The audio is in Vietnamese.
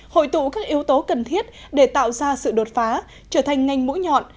hội tụ các yếu tố cần thiết để tạo ra sự đột phá trở thành ngành mũi nhọn